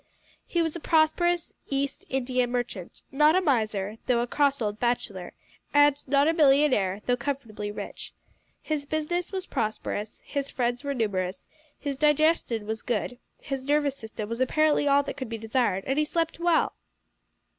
He was a prosperous East India merchant not a miser, though a cross old bachelor, and not a millionaire, though comfortably rich. His business was prosperous, his friends were numerous, his digestion was good, his nervous system was apparently all that could be desired, and he slept well!